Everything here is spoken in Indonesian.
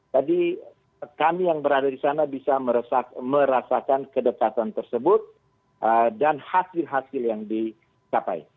jadi kami yang berada di sana bisa merasakan kedekatan tersebut dan hasil hasil yang disapai